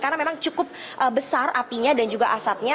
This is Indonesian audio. karena memang cukup besar apinya dan juga asatnya